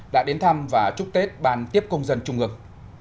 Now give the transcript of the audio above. đã đến thăm và chúc tết ban tiếp công dân trung ương